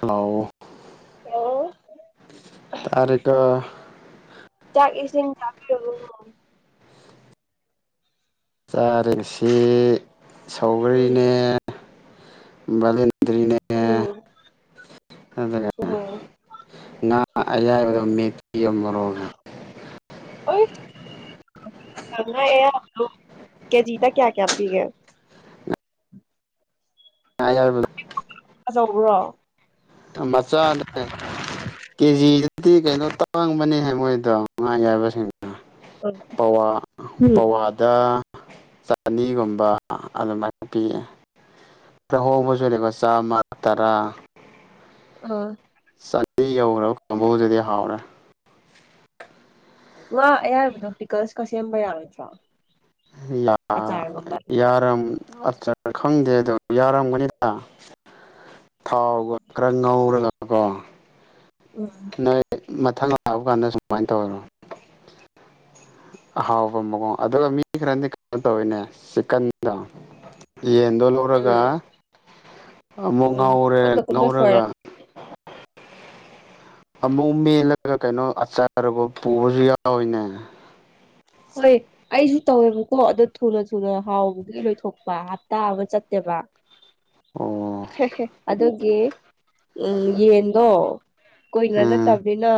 ꯍꯑꯣ ꯑꯣ ꯇꯔꯀꯣ ꯁꯤꯡ ꯆꯕꯤ ꯆꯔ ꯁꯤ ꯎꯝ ꯁꯥꯎꯒꯔꯤꯔꯤꯅꯦ ꯍꯕꯥꯂ ꯗꯔꯤꯅꯦ ꯎꯝ ꯑꯗꯨꯒꯗ ꯎꯝ ꯅꯥ ꯑꯌꯥꯗ ꯃꯛꯇ ꯃꯔꯔꯣꯡ ꯀꯌꯥꯖꯤꯗꯥ ꯀꯌꯥ ꯀꯌꯥꯒ ꯌꯥ ꯌꯥꯔ ꯧꯕ꯭ꯔꯣ ꯃꯆꯥꯅꯦ ꯀꯦꯖꯤ ꯗꯤ ꯀꯩꯅꯣ ꯇꯥꯡꯕꯅꯤꯍ ꯃꯣꯏꯗꯣ ꯉꯥꯌꯥꯏꯕꯁꯤꯡꯗ ꯄꯋꯥ ꯎꯝ ꯄꯋꯥꯗ ꯑꯅꯤꯒꯨꯝꯕ ꯑꯗꯨꯃꯥꯏꯅ ꯄꯤꯌꯦ ꯈꯍꯣꯡꯕꯁꯨꯔꯕ ꯆꯥꯝꯃ ꯇꯔꯥ ꯑꯥ ꯆꯥꯟ ꯌꯧꯔꯣ ꯀꯥꯡꯕꯨꯗꯨꯗꯤ ꯍꯥꯎꯔꯦ ꯋꯥ ꯑꯌꯥꯕꯗꯣ ꯄꯤꯀꯜꯁꯀ ꯁꯦꯝꯕ ꯌꯥꯔꯣꯏꯗ꯭ꯔꯣ ꯌꯥ ꯑꯆꯥꯔꯒꯨꯝꯕ ꯌꯥꯔꯝ ꯑꯆ ꯈꯔ ꯈꯪꯗꯦ ꯑꯗꯨꯗ ꯌꯥꯔꯝꯒꯅꯤꯗ ꯊꯥꯎꯒ ꯈꯔ ꯉꯧꯔꯒ ꯒꯣ ꯑꯨꯝ ꯑꯥꯡ ꯃꯊꯪ ꯂꯥꯛꯄ ꯀꯥꯟꯗ ꯁꯨꯃꯥꯏꯅ ꯇꯧꯔꯣ [inaudible] ꯑꯍꯥꯎꯕ ꯃꯑꯣꯡ ꯑꯗꯨꯒ ꯃꯤ ꯈꯔꯗꯤ ꯀꯩꯅꯣ ꯇꯧꯋꯤꯅꯦ ꯆꯤꯛꯀꯟꯗꫭ ꯌꯦꯟꯗꯣ ꯂꯧꯔꯒ ꯎꯝ ꯑꯃꯨꯛ ꯎꯝ ꯉꯧꯔꯦ ꯀꯨꯞꯅ ꯀꯨꯞꯅ ꯁꯣꯏꯔ ꯉꯧꯔꯒ ꯑꯃꯨꯛ ꯃꯦꯜꯂꯒ ꯀꯩꯅꯣ ꯑꯆꯥꯔ ꯄꯨꯕꯁꯨ ꯌꯥꯎꯋꯤꯅꯦ ꯍꯣꯏ ꯑꯩꯁꯨ ꯇꯧꯋꯦꯕꯀꯣ ꯑꯗꯨ ꯊꯨꯅ ꯊꯨꯅ ꯍꯥꯎꯕꯒꯤ ꯂꯣꯏꯊꯣꯛꯄ ꯍꯞꯇꯥ ꯑꯃ ꯆꯠꯇꯦ ꯑꯣ ꯑꯗꯨꯒꯤ ꯎꯝ ꯌꯦꯟꯗꯣ ꯀꯨꯏꯅ ꯎꯝ ꯆꯠꯇꯕꯅꯤꯅ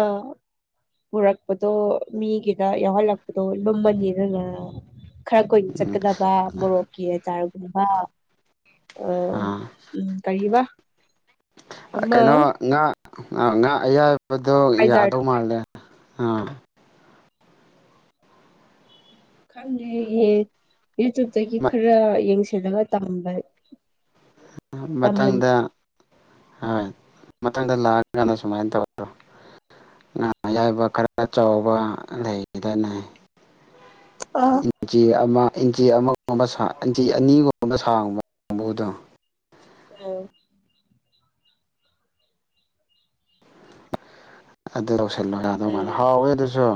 ꯄꯨꯔꯛꯄꯗꯣ ꯃꯤꯒꯤꯗ ꯌꯥꯎꯍꯜꯂꯛ ꯄꯨꯇꫭꯜ ꯂꯨꯝꯕꯅꯤꯅ ꯈꯔ ꯀꯨꯏꯅ ꯎꯝ ꯆꯠꯀꯗꯕ ꯃꯣꯔꯣꯛꯀꯤ ꯑꯆꯥꯥꯔꯒꯨꯝꯕ ꯑ ꯑꯥ ꯎꯝ ꯀꯔꯤꯕ ꯑꯃ ꯀꯩꯅꯣ ꯉꯥ ꯉꯥ ꯑꯌꯥꯏꯕꯗꯣ ꯍꯥꯏꯖꯥꯔꯗꯣ ꯌꯥꯗꯧ ꯃꯥꯜꯂꯦ ꯑꯥ ꯈꯪꯗꯦꯍ‌ꯦꯍ‌ꯦ ꯌꯨꯇꯨꯞꯇꯒꯤ ꯈꯔ ꯌꯦꯡꯁꯤꯜꯂꯒ ꯇꯝꯕ ꯇꯝꯍꯟ ꯃꯊꯪꯗ ꯍꯣꯏ ꯃꯊꯪꯗ ꯂꯥꯛꯑꯀꯥꯟꯗ ꯁꯨꯃꯥꯏꯅ ꯇꯧ꯭ꯔꯣ ꯉꯥ ꯑꯌꯥꯏꯕ ꯈꯔ ꯆꯥꯎꯕ ꯂꯩꯗꯅ ꯑꯥ ꯂꯤꯟꯆꯤ ꯑꯃ ꯏꯟꯆꯤ ꯑꯃꯒꯨꯝꯕ ꯁꯥꯡ ꯏꯟꯆꯤ ꯑꯅꯤꯒꯨꯝꯕ ꯁꯥꯡꯕ ꯕꯨꯗꯣ ꯎꯝ ꯑꯗꯨ ꯂꯩꯁꯤꯜꯕ ꯌꯥꯗꯧ ꯃꯥꯜꯂ‌ꯦ ꯎꯝ ꯍꯥꯎꯋꯦ ꯑꯗꯨꯁꯨ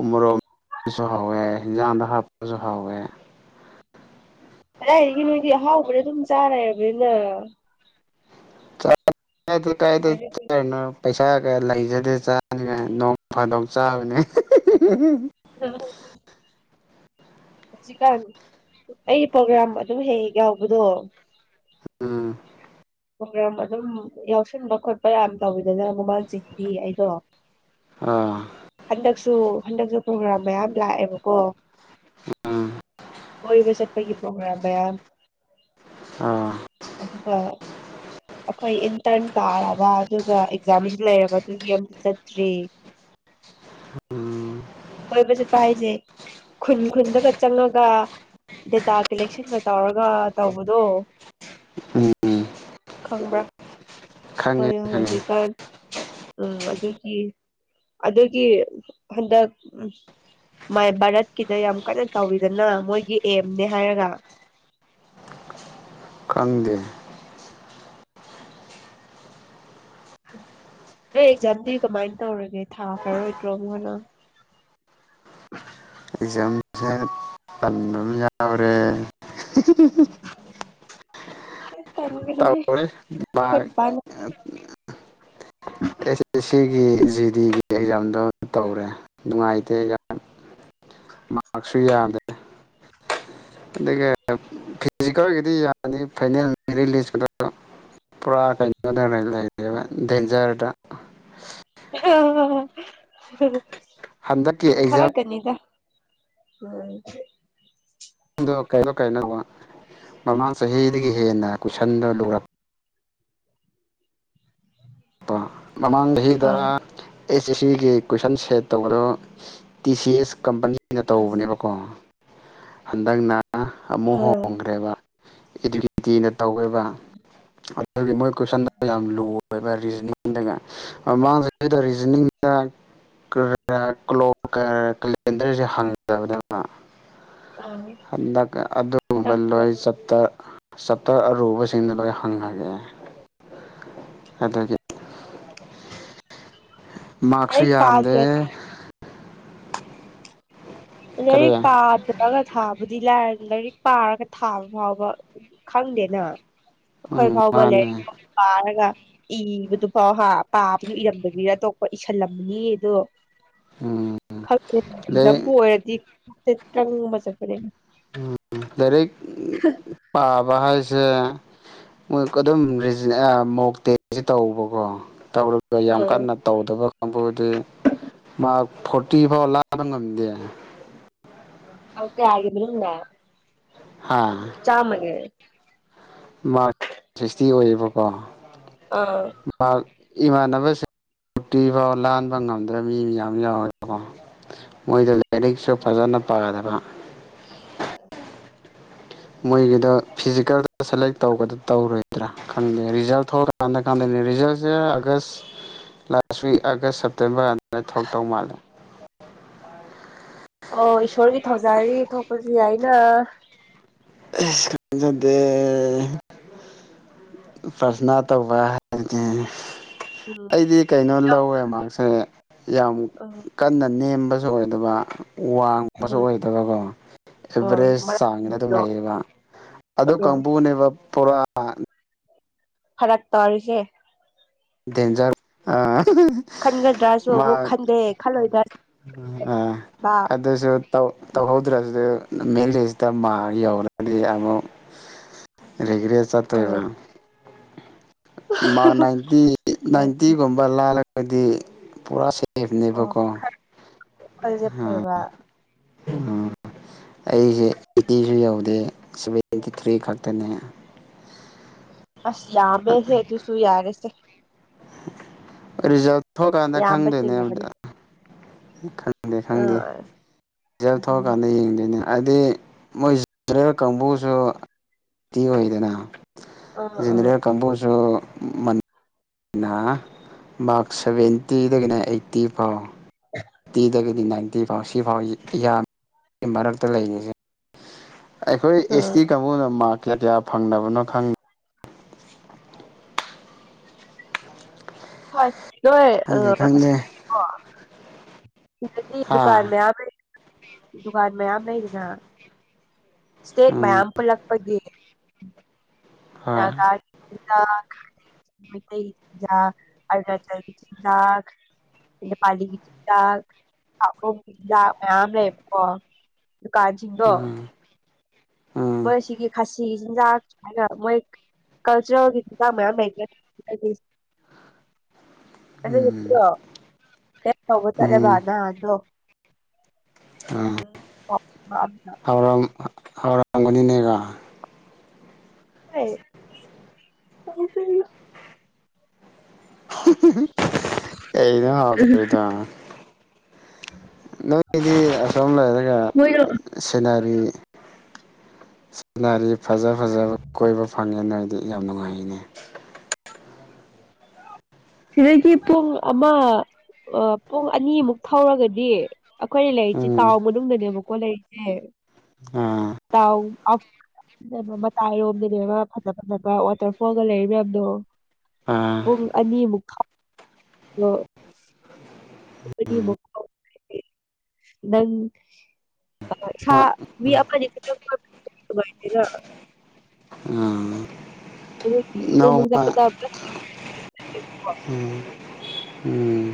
ꯎꯃ꯭ꫭꯔꯣꯛ ꯃꯤꯠꯁꯨ ꯍꯥꯎꯋ‌ꯦ ꯍꯤꯟꯖꯥꯡꯗ ꯍꯥꯞꯁꯨ ꯍꯥꯎꯋ‌ꯦ ꯀꯗꯥꯏꯗꯒꯤ ꯅꯣꯏꯗꯤ ꯑꯍꯥꯎꯕꯗ ꯑꯗꯨꯝ ꯆꯥꯔ ꯂꯩꫪꯕꯅꯤꯅ ꯇꯥꯗ‌ꯦ ꯇꯥꯗ‌ꯦ ꯀꯥꯏꫪꯩꯅꫭ ꯄꯩꯁꯥꯒ ꯂꯩꯖꯗ‌ꯦ ꯆꯥꯅꯤꯅ‌ꯦ ꯅꯣꯡ ꯐꯥꯗꯣꯛ ꯆꯥꯕꯅꯦ [unintelligible] ꯍꯧꯖꯤꯛꯀꯥꯟ ꯑꯩꯒꯤ ꯄ꯭ꯔꯣꯒ꯭ꯔꯥꯝ ꯑꯗꯨꯝ ꯍꯦꯛ ꯍ‌ꯦꯛ ꯌꯥꯎꯕꯗꯣ ꯎꯝ ꯄꫭꯒ꯭ꯔꯝ ꯑꯗꯨꯝ ꯌꯥꯎꯁꯟꯕ ꯈꯣꯠꯄ ꯌꯥꯝ ꯇꯧꯋꯤꯗꯅ ꯃꯃꯜ ꯆꯤꯡꯗꯤ ꯑꯩꯗꯣ ꯑꯥ ꯍꯟꯗꯛꯁꯨ ꯍꯟꯗꯛꯁꯨ ꯄ꯭ꯔꯣꯒ꯭ꯔꯥꯝ ꯃꯌꯥꯝ ꯂꯥꯛꯑꯦꯕꯀꯣ ꯎꯝ ꯀꯣꯏ ꯆꯠꯄꯍꯤ ꯄ꯭ꯔꯣꯒ꯭ꯔꯝ ꯌꯥꯝ ꯑꯥ ꯑꯗꯨꯀ ꯑꯩꯈꯣꯏ ꯏꯟꯇꯔꯟ ꯇꯥꯔꯕ ꯑꯗꯨꯒ ꯑꯦꯛꯖꯥꯝꯁꯨ ꯂꯩꯔꯕ ꯑꯗꯨꯒꯤ ꯑꯝꯇ ꯆꯠꯇ꯭ꯔ‌ꯦ [unintelligible] ꯎꯝ ꯀꯣꯏꯕ ꯆꯠꯄ ꯍꯥꯏꯁꯦ ꯈꯨꯟ ꯈꯨꯟꯗꯒ ꯆꯪꯉꯒ ꯗꯦꯇꯥ ꯀꯂꯦꯛꯁꯟꯒ ꯇꯧꯔꯒ ꯇꯧꯕꯗꯣ ꯎꯝ ꯎꯝ ꯈꯪꯕ꯭ꯔꯥ ꯈꯪꯉꯦ ꯍꯣꯏ ꯈꯪꯉꯦ ꯍꯧꯖꯤꯛꯀꯥꯟ ꯎꯝ ꯑꯗꯨꯒꯤ ꯑꯗꯨꯒꯤ ꯍꯟꯗꯛ ꯎ ꯃꯥꯏ ꯚꯥꯔꯠꯀꯤꯗ ꯌꯥꯝ ꯀꯟꯅ ꯇꯧꯋꯤꯗꯅ ꯃꯣꯏꯒꯤ ꯑꯦꯝꯅꯦ ꯍꯥꯏꯔꯒ [unintelligible] ꯈꯪꯗꯦ ꯅꫭꯏ ꯑꯦꯛꯖꯥꯝꯗꯤ ꯀꯝꯃꯥꯏ ꯇꯧꯔꯒꯦ ꯊꯥꯈ꯭ꯔ ꯔꯣꯏꯗ꯭ꯔꯣ ꯑꯃꯨꯛ ꯍꯟꯅ [unintelligible] ꯑꯦꯛ ꯖꯝꯁꯦ ꯇꯟꯗꯕ ꯌꯥꯎꯔꯦ ꯍꯥꯏ ꯇꯧꫪꯤ ꯃꯥꯛ ꯑ‌ꯦꯁ ꯑ‌ꯦꯁ ꯁꯤꯒꯤ ꯑꯩꯒꯤ ꯖꯤꯗꯤꯒꯤ ꯑꯦꯛꯖꯥꯝꯗꯣ ꯇꯧꯔꯦ ꯅꯨꯡꯉꯥꯏꯇꯦ ꯌꯥꯝ ꯃꯥꯔꯛꯁꯨ ꯌꯥꯗꯦ ꯑꯗꯨꯒ ꯐꯤꯖꯤꯀꯦꯜꯒꯤꯗꯤ ꯌꯥꯅꯤ ꯐꯥꯏꯅꯦꯜ ꯑꯗꯨ ꯄꯨꯔꯥ ꯀꯩꯅꯣꯗ ꯂꯩꯔꯦꯕ ꯗꯦꯟꯖꯔꯗ ꯍꯟꯗꯛꯀꯤ ꯑ ꯑꯦꯛꯖꯥꯝꯗꯣ ꯍꯥꯏꯅꯤꯗ ꯑ ꯀꯩꯗꯣ ꯀꯥꯏꯅ ꯋꯥ ꯃꯃꯥꯡ ꯆꯍꯤꯗꯒꯤ ꯍꯦꯟꯅ ꯀꯨꯏꯁꯟꯗ ꯑꯗꯨꯒ ꯂꯄꯥ ꯃꯃꯥꯡ ꯆꯍꯤꯗ ꯑꯥ ꯑꯦꯁ ꯁꯤꯒꯤ ꯀꯨꯣꯏꯁꯟ ꯁꯦꯠ ꯇꯧꯕꯗꯣ ꯇꯤ ꯁꯤ ꯑꯦꯁ ꯀꯝꯄꯅꯤꯅ ꯇꯧꯕꯅꯦꯕꯀꯣ ꯍꯟꯗꯛꯅ ꯑꯃꯨꯛ ꯑꯥ ꯍꯣꯡꯈ꯭ꯔꯦꯕꯤꯅ ꯇꯧꯋꯦꯕ ꯑꯗꯨꯒꯤ ꯃꯣꯏ ꯀꯣꯏꯁꯟꯗ ꯌꯥꯝ ꯂꯨ ꯑꯣꯏꯕ ꯔꯤꯖꯅꯤꯡꯗꯒ ꯃꯥꯡꯁꯤꯗꯩꯗ ꯔꯤꯖꯅꯤꯡꯗ ꯀꯦꯂꯦꯟꯗꯔꯁꯦ ꯍꯪꯗꯕꯗꯅ ꯑꯥ ꯗ ꯑꯗꯨꯨꯝꯕ ꯅꯪꯕꯨ ꯂꯣꯏ ꯆꯠꯇ ꯆꯞꯇꯔ ꯑꯔꯨꯕꯁꯤꯡꯗꯨ ꯂ ꯍꯪꯈꯒꯦ ꯑꯗꯨꯒꯤ [unintelligible] ꯃꯥꯔꯛꯁꯨ ꯂꯥꯏꯔꯤꯛ ꯌꯥꯝꯗꯦ ꯄꯥꯗꯦ ꯀꯔꯤ ꯂꯥꯏꯔꯤꯛ ꯄꯥꯗ꯭ꯔꯒ ꯊꯥꯕꯨꯗꯤ ꯂꯥꯏꯔ ꯂꯥꯏꯔꯤꯛ ꯄꯥꯔꯒ ꯊꯥꯕ ꯐꯥꯎꯕ ꯈꯪꯗꯦꯅ ꯑꯩꯈꯣꯏ ꯎꯝ ꯐꯥꯎꯕ ꯃꯥꯅꯦ ꯂꯥꯏꯔꯤꯛ ꯄꯥꯔꯒ ꯏꯕꯗꯨ ꯐꯥꯎ ꯍꯥ ꯄꯥꯕꯗꯨ ꯏꯔꯝꯕꯒꯤꯗ ꯑꯇꯣꯞꯄ ꯏꯁꯤꯜꯂꯝꯕꯅꯤ ꯑꯗꯣ ꯎꯝ ꯈꯪꯦ ꯂꯥꯏꯔꯤꯛ ꯂꯝꯕꯨ ꯑꯣꯏꯔꯗꯤ ꯇ ꯑꯃ ꯆꯠꯄꯅꯦ ꯝ ꯗꯔ ꯄꯥꯕ ꯍꯥꯏꯁꯦ ꯃꯣꯏ ꯑꯗꯨꯝ ꯃꯣꯛꯇꯦꯁ ꯇꯧꯕꯀꯣ ꯇꯧꯔꯒ ꯌꯥꯝ ꯀꯟꯅ ꯇꯧꯗꯕ ꯑꯗꯨꯕꯨꯗꯤ ꯃꯥ ꯐꯣꯔꯇꯤ ꯐꯥꯎ ꯂꯥꯥꯟꯕ ꯉꯝꯗꯦ ꯑꯣ ꯀꯦ ꯍꯥꯏꯗ ꯆꯃꯒꯦ ꯃꯥꯔꯛꯁ ꯁꯤꯛꯁꯇꯤ ꯑꯣꯏꯌꯦꯕꯀꯣ ꯑꯥ ꯃꯥꯔꯛ ꯏꯃꯥꯟꯅꯕꯁꯤꯡ ꯇꯨꯔꯇꯤ ꯐꯥꯎ ꯂꯥꯟꯕ ꯉꯝꯗ꯭ꯔꯕ ꯃꯤ ꯃꯌꯥꯝ ꯌꯥꯎꯋꯦꯕꯀꯣ ꯃꯣꯏꯗ ꯂꯥꯏꯔꯤꯛꯁꯨ ꯐꯖꯅ ꯄꯥꯗꯕ ꯎ ꯃꯣꯏꯒꯤꯗꯣ ꯐꯤꯖꯤꯀꯦꯜꯗ ꯁꯦꯂꯦꯛ ꯇꯧꯕꯒꯗ ꯇꯧꯔꯣꯏꯗ꯭ꯔꯥ ꯈꯪꯗꯦ ꯔꯤꯖꯜ ꯊꯣꯛꯂꯀꯥꯟꯗ ꯀꯥꯟꯗ ꯅꯩꯔꯖ August last week August September ꯑꯗꯨꯗ ꯊꯕꯛ ꯇꯧ ꯃꯥꯜꯂꯦ ꯑꯣ ꯏꯁꯣꯔꯒꯤ ꯊꯧꯖꯥꯔꯤ ꯊꯣꯛꯄꯁꯨ ꯌꯥꯏꯅ ꯈ ꯁꯗ ꯐꯁꯅ ꯇꯧ ꯋꯥꯔꯒ ꯎꯝ ꯑꯩꯗꯤ ꯀꯩꯅꯣ ꯂꯧꯋꯦ ꯃꯍꯥꯛꯁꯦ ꯌꯥꯝ ꯎꯝ ꯀꯟꯅ ꯅꯦꯝ ꯐꯁꯨ ꯑꯣꯏꯗꯕ ꯋꯥꯡꯕꯁꯨ ꯎꯝ ꯑꯣꯏꯗꯕꯀꯣ ꯎꯝ ꯑꯦꯚꯔꯦꯁ ꯆꯥꯡꯁꯤꯅ ꯑꯗꯨꯝ ꯃꯔꯛꯗꯣ ꯂꯩꯌꯦꯕ ꯑꯗꯨ ꯎꯝ ꯀꯥꯡꯕꯨꯅꯦꯕ ꯄꯨꯔꯥ ꯐꯔꯛ ꯇꯧꯔꯤꯁꯦ ꯗꯦꯟꯖꯔ ꯑ ꯈꯟꯒꯗ꯭ꯔꯥꯁꯨ ꯃꯥ ꯑꯃꯨꯛ ꯈꯟꯗꯦ ꯈꯜꯂꯣꯏꯗ꯭ꯔꯥꯕ ꯑ ꯑꯗꯨꯁꯨꯧ ꯇꯧꯍꯧꯗ꯭ꯔꯁꯨ ꯃꯦꯜꯂꯤꯁꯤꯗ ꯃꯥ ꯌꯧꯔꯗꯤ ꯑꯃꯨꯛ ꯔꯤꯒ꯭ꯔꯦ ꯆꯠꯇꯣꯏꯕ ꯎꯝ ꯏꯇꯤ ꯅꯥꯏꯟꯇꯤꯒꯨꯝꯕ ꯂꯥꯜꯂꯒꯗꯤ ꯄꯨꯔꯥ ꯑꯣ ꯁꯦꯐꯅꯦꯕꯀꯣ ꯈ ꯑ ꯈꯜꯖꯥꯏꯕ ꯑꯩꯁꯦ ꯑꯩꯠꯇꯤꯁꯨ ꯌꯧꯗꯦ ꯁꯚꯦꯟꯇꯤ ꯊ꯭ꯔꯤ ꯈꯛꯇꯅꯦ ꯑꯁ ꯌꯥꯝꯃꯦꯍꯦ ꯑꯗꯨꯁꯨ ꯌꯥꯔꯁꯦ ꯔꯤꯖꯥ ꯊꯣꯛꯀꯥꯟꯗ ꯌꯥꯝꯕ ꯈꯪꯗꯣꯏꯅꯦ ꯆꯤꯡꯉꯕꯅꯦ ꯈꯪꯗꯦ ꯈꯪꯗꯦ ꯑꯥ ꯔꯤꯖꯥꯜ ꯑꯗꯨꯅꯤ ꯊꯧꯔꯀꯥꯟꯗ ꯌꯦꯡꯗꯣꯏꯅꯦ ꯍꯥꯏꯗꯤ ꯃꯣꯏꯦꯜ ꯀꯥꯡꯕꯨꯁꯨꯇꯤ ꯑꯣꯏꯗꯅ ꯑꯥ ꯑꯥ ꯖꯗꯌꯥ ꯀꯝꯕꯨꯣꯁꯨ ꯃ ꯑꯩꯅ ꯃꯥꯔꯛꯁ ꯁꯚꯦꯟꯇꯤꯗꯒꯤꯅ ꯑꯩꯠꯇꯤ ꯐꯥꯎ ꯑꯩꯠꯇꯤꯗꯒꯤꯗꯤ ꯅꯥꯏꯟꯇꯤ ꯐꯥꯎ ꯁꯤꯐꯥꯎ ꯌꯥꯝꯃꯤ ꯃꯔꯛꯇ ꯂꯩꯔꯤꯁꯦ ꯑꯩꯈꯣꯏ ꯑꯦꯁ ꯑꯥ ꯇꯤ ꯀꯥꯡꯕꯨꯅ ꯃꯥꯔꯛ ꯀꯌꯥ ꯀꯌꯥ ꯐꯪꯅꯕꯅꯣ ꯈꯪꯗꯦ ꯍ ꯂꯣꯏ ꯈꯪꯗꯦ ꯈꯪꯗꯦ ꯁꯤꯗꯤ ꯍꯥ ꯗꯨꯀꯥꯟ ꯃꯌꯥꯝ ꯂꯩ ꯗꯨꯀꯥꯟ ꯃꯌꯥꯝ ꯂꯩꯗꯅ ꯁꯇꯦꯠ ꯎꯝ ꯃꯌꯥꯝ ꯄꯨꯂꯛꯄꯒꯤ ꯍꯣꯏ ꯀꯒꯥꯗ ꯃꯇꯩ ꯑꯜꯇ꯭ꯔꯥ ꯆꯥꯏ ꯒ ꯄꯜꯂꯤꯒꯤ ꯆꯤꯟꯗꯥꯛ ꯆꯤꯟꯖꯥꯛ ꯃꯌꯥꯝ ꯂꯩꯦꯄꯣ ꯑꯗꯨ ꯀꯥꯖꯤꯡꯒꯣ ꯎꯝ ꯎꯝ ꯃꯣꯏꯁꯤꯒꯤ ꯈꯥꯁꯤ ꯆꯤꯟꯖꯥꯛ ꯁꯨꯥꯏꯅ ꯃꯣꯏ ꯀꯜꯆꯔꯦꯜ ꯀ ꯃ ꯃ ꯎꯝ ꯆꯔꯦ ꯎꯝ ꯕꯥꯅ ꯑꯥꯟꯗꯣ ꯑꯥ ꯎꯝꯗ ꯍꯥꯎꯔꯝ ꯍꯥꯎꯔꯝꯒꯅꯤꯅꯦꯀꯣ ꯍꯗ [inaudible] ꯀ ꯍ ꯐꯔꯤꯗ [inaudible] ꯅꯣꯏꯒꯤꯗꯤ ꯑꯁꯣꯝ ꯂꯩꯔꯒ ꯃꯣꯏꯗꯣ ꯁꯤꯅꯔꯤ ꯁꯤꯅꯗꯤ ꯐꯖ ꯐꯖꯕ ꯀꯣꯏꯕ ꯐꯪꯉꯦ ꯅꯣꯏꯗꯤ ꯌꯥꯝ ꯅꯨꯡꯉꯥꯏꯅꯤ ꯑ ꯁꯤꯗꯒꯤ ꯄꯨꯡ ꯑꯃ ꯄꯨꯡ ꯑꯅꯤꯃꯨꯛ ꯊꯧꯔꯒꯗꯤ ꯑꯩꯈꯣꯏꯅ ꯂꯩꯔꯤꯁꯦ ꯎꯝ ꯇꯥꯎꯟ ꯃꯅꯨꯡꯗꯅꯦꯕꯀꯣ ꯂꯩꯔꯤꯁꯦ ꯑꯥ ꯇꯥꯎ ꯃꯇꯥꯏꯔꯣꯝꯗꯅꯦꯕ ꯐꯖ ꯐꯖꯕ ꯋꯥꯇꯔꯐꯣꯜꯒ ꯂꯩꯔꯤ ꯃꯌꯥꯝꯗꯣ ꯑꯥ ꯄꯨꯡ ꯑꯅꯤꯃꯨꯛꯛꯇꯥꯎ ꯑ ꯅꯪ ꯥ ꯃꯤ ꯑꯄꯥꯖꯤꯦ ꯎꯝ ꯅꯣꯡꯃ ꯑꯗꯨ ꯎꯝ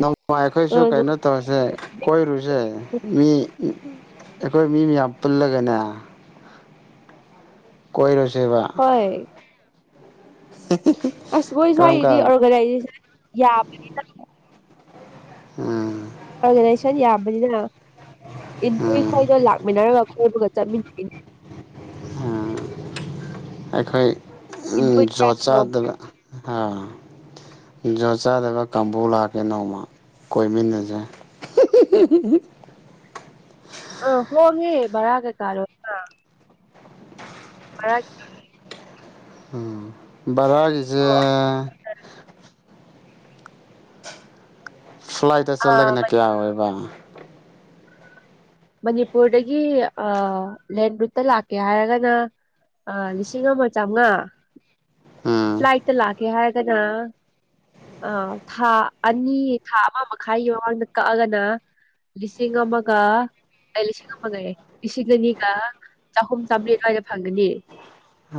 ꯅꯣꯡꯃ ꯑꯩꯈꯣꯏꯁꯨ ꯑꯗꯣ ꯀꯩꯅꯣ ꯇꯧꯔꯁꯦ ꯍꯧꯖꯤꯛ ꯀꯣꯏꯔꯨꯁꯦ ꯃꯤ ꯑꯩꯈꯣꯏ ꯃꯤ ꯃꯌꯥꯝ ꯄꯨꯜꯂꯒꯅꯦ ꯀꯣꯏꯔꯣꯁꯦꯕ ꯑꯥꯁ ꯃꯣꯏ ꯀꯔꯝ ꯁꯋꯥꯏꯒꯤꯗꯤ ꯀꯥꯟ ꯑꯣꯔꯒꯅꯥꯏꯖꯦꯁꯟ ꯌꯥꯝꯕꯅꯤꯅ ꯎꯝ ꯑꯣꯔꯒꯅꯥꯏꯖꯦꯁꯟ ꯌꯥꯝꯕꯅꯤꯅ ꯎꯝ ꯑꯩꯈꯣꯏꯗꯣ [inaudible] ꯂꯥꯛꯃꯤꯟꯅꯔꯒ ꯈꯣꯕꯒꯆꯥ ꯃꯤ [inaudible] ꯑꯩꯈꯣꯏ ꯏꯟꯄꯨꯏ ꯆꯨꯒꯣꯠ ꯇ꯭ꯔꯥꯏꯞꯇꯣ ꯆꯗꯕ ꯖꯣꯠ ꯆꯥꯗꯕ ꯀꯥꯡꯕꯨ ꯂꯥꯛꯑꯗꯤ ꯅꯣꯡꯃ ꯀꯣꯏꯃꯤꯟ ꯅꯅꯤꯡꯉꯥꯏ ꯑ ꯍꯣꯛꯉꯦ ꯕꯥꯔꯥ ꯀꯩꯀꯥ ꯂꯣꯏꯅꯥ ꯃꯔꯔꯖ [inaudible] ꯕꯥꯔꯒꯤꯁꯦ ꯐ꯭ꯂꯥꯏꯠꯇ ꯑꯥ ꯆꯠꯂꯒꯅ ꯀꯌꯥ ꯑꯣꯏꯕ ꯃꯅꯤꯄꯨꯔꯗꯒꯤ ꯂꯦꯟꯔꯨꯠꯇ ꯂꯥꯛꯀꯦ ꯍꯥꯏꯔꯒꯅ ꯑ ꯂꯤꯁꯤꯡ ꯑꯃ ꯆꯥꯝꯃꯉꯥ ꯎꯝ ꯐ꯭ꯂꯥꯏꯠꯇ ꯂꯥꯛꯀꯦ ꯍꯥꯏꯔꯒꯅ ꯑ ꯊꯥ ꯑꯅꯤ ꯊꯥ ꯑꯃ ꯃꯈꯥꯏꯒꯤ ꯃꯃꯥꯡꯗ ꯀꯛꯑꯒꯅ ꯂꯤꯁꯤꯡ ꯑꯃꯒ ꯑꯩ ꯂꯤꯁꯤꯡ ꯑꯃꯒ ꯂꯤꯁꯤꯡ ꯑꯅꯤꯒ ꯆꯍꯨꯝ ꯆꯥꯃꯔꯤ ꯑꯗꯨꯋꯥꯏꯗ ꯐꯪꯒꯅꯤ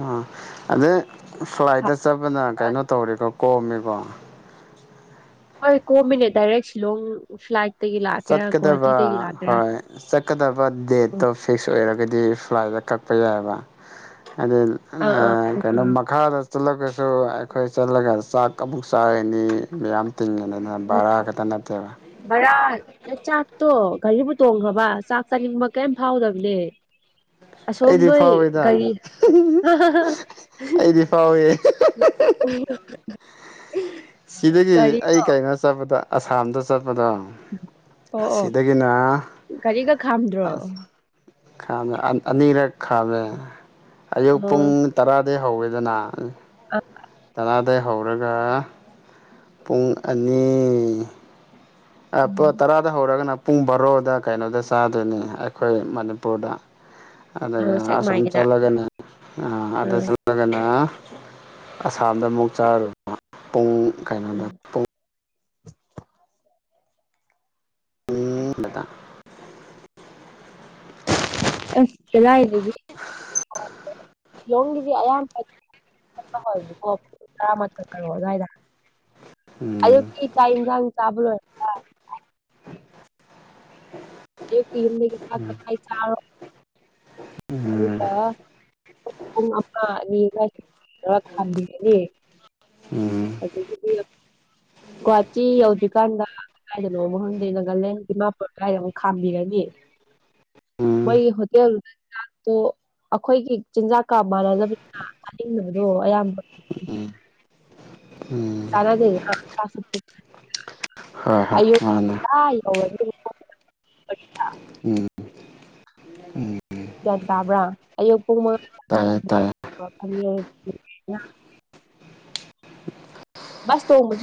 ꯑ ꯑꯗꯩ ꯊꯥ ꯐ꯭ꯂꯥꯏꯠꯇ ꯆꯠꯄꯅ ꯀꯩꯅꯣ ꯇꯧꯔꯤꯀꯣ ꯀꯣꯝꯃꯦꯀꯣ ꯍꯣꯏ ꯀꯣꯃꯤꯅꯤ ꯗꯤꯔꯦꯠ ꯁꯤꯂꯣꯡ ꯐ꯭ꯂꯥꯏꯠ ꯆꯠꯀꯗꯕ ꯍꯣꯏ ꯆꯠꯀꯗꯕ ꯑꯥ ꯗꯦꯠꯇꯣ ꯐꯤꯛꯁ ꯑꯣꯏꯔꯒꯗꯤ ꯗꯤ ꯐ꯭ꯂꯥꯏꯗ ꯀꯛꯄ ꯌꯥꯏꯕ ꯍꯥꯏꯗꯤ ꯑꯥ ꯀꯩꯅꯣ ꯃꯈꯥꯗ ꯆꯠꯂꯒꯁꯨ ꯑꯩꯈꯣꯏ ꯆꯠꯂꯒ ꯆꯥꯛ ꯑꯃꯨꯛ ꯆꯥꯔꯅꯤ ꯃꯌꯥꯝ ꯕꯔꯥ ꯈꯥꯛꯇ ꯅꯥꯠꯇꯦꯗꯥ ꯅ ꯆꯥꯛꯇꯣ ꯘꯔꯤꯕꯨ ꯇꯣꯡꯈ꯭ꯔꯕ ꯆꯥꯛ ꯆꯥꯅꯤꯡꯕ ꯀꯔꯤꯝ ꯐꯥꯎꯗꯕꯅꯦ ꯑꯁꯣꯝ ꯑꯩꯗꯤ ꯅꯣꯏ ꯐꯥꯎꯋꯦꯗ ꯒꯥꯔꯤ ꯑꯩꯗꯤ ꯐꯥꯎꯋꯦ [unintelligible] ꯁꯤꯗꯒꯤ ꯒꯥꯔꯤ ꯑꯩ ꯀꯩꯅꯣ ꯆꯠꯄꯗ ꯑꯁꯥꯝꯗ ꯆꯠꯄ ꯑꯗꯣ ꯑꯣ ꯑꯣ ꯁꯤꯗꯒꯤꯅ ꯒꯥꯔꯤꯒ ꯈꯥꯝꯗ꯭ꯔꯣ ꯑꯁ ꯈꯥꯝꯃꯦ ꯑꯅꯤꯔꯛ ꯈꯥꯝꯃꯦ ꯑꯌꯨꯛ ꯄꯨꯡ ꯑ ꯇꯔꯥ ꯑꯗꯩꯩ ꯍꯧꯢꯗꯅ ꯑ ꯇꯥꯔꯗꯒꯤ ꯍꯧꯔꯒ ꯄꯨꯡ ꯑꯅꯤ ꯑ ꯇꯔꯥꯗ ꯍꯧꯔꯒꯅ ꯄꯨꯡ ꯕꯥꯔꯣꯗ ꯀꯩꯅꯣꯗ ꯆꯥꯗꯣꯏꯅꯤ ꯑꯩꯈꯣꯏ ꯃꯅꯤꯄꯨꯔꯗ ꯑ ꯑꯗꯒ ꯁꯦꯛꯃꯥꯏꯒꯤꯗ ꯁꯣꯝꯆꯠꯂꯒꯅ ꯑ ꯑꯗ ꯆꯂꯒꯅꯦ ꯑꯁꯥꯝꯗ ꯑꯃꯨꯛ ꯆꯥꯔꯨꯕ ꯄꯨꯡ ꯀꯩꯅꯣꯗ ꯎꯝ ꯄꯨꯡ ꯎꯝꯇ [inaudible] ꯑꯁ ꯀꯗꯥꯢꯗꯒꯤ ꯁꯤꯂꯣꯡꯒꯤꯗꯤ ꯑꯌꯥꯝꯕ [inaudible] ꯇꯞꯅꯥ ꯍꯧꯏꯕ ꯇꯔꯥ ꯃꯊꯣꯏ ꯕꯥꯔꯣ ꯑꯗꯨꯋꯥꯏꯗ ꯎꯝ ꯑꯌꯨꯛꯀꯤ ꯆꯥꯛ ꯑꯦꯟꯁꯥꯡ ꯆꯥꯕꯥ ꯂꯣꯢꯔꯥꯒꯥ ꯑꯩ ꯀ ꯎꯝ ꯍꯐꯥꯏ ꯆꯥꯣ [inaudible] ꯑꯗꯨꯒꯥ ꯄꯨꯪ ꯑꯃꯥ ꯑꯅꯤ ꯑꯗꯨꯋꯥꯏꯗꯥ [inaudible] ꯎꯝ ꯑꯗꯥꯒꯤꯗꯤ ꯒꯨꯍꯥꯇꯤ ꯌꯧꯗ꯭ꯔꯤꯀꯥꯟꯗ ꯀꯗꯥꯏꯗꯅꯣ ꯑꯃꯥ ꯈꯪꯗꯦ ꯅꯥꯒꯥꯂꯦꯟ ꯗꯤꯃꯥꯄꯨꯔ ꯀꯗꯥꯏꯗ ꯑꯃꯨꯛ ꯈꯥꯝꯕꯤꯔꯅꯤ ꯎꯝ ꯃꯣꯢꯒꯤ ꯎꯝ ꯍꯣꯇꯦꯜ ꯒꯤ ꯆꯥꯛꯇꯨ ꯑꯩꯈꯣꯏꯒꯤ ꯆꯤꯟꯖꯥꯛꯀꯥ ꯃꯥꯟꯅꯗꯕꯅꯤꯅ ꯆꯥꯅꯤꯡꯗꯕꯗꯣ ꯑꯌꯥꯝꯕ [inaudible] ꯎꯝ ꯇꯔꯗꯦ ꯆꯦ ꯍꯣꯏ ꯍꯣꯏ ꯃꯥꯅꯦ ꯑꯌꯣꯗꯥ ꯌ ꯎꯝ ꯒ꯭ꯌꯥꯟ ꯇꯥꯕ꯭ꯔꯥ ꯑꯌꯨꯛ ꯄꯨꯡ ꯃꯉꯥ ꯇꯥꯏꯌꯦ ꯇꯥꯏꯌꯦ ꯑ ꯈ ꯁ ꯇꯧ ꯃ